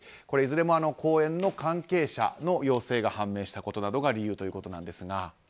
これはいずれも共演者に陽性が判明したことなどが理由ということですが。